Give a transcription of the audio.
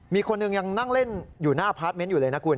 มีคนหนึ่งยังนั่งเล่นอยู่หน้าพาร์ทเมนต์อยู่เลยนะคุณ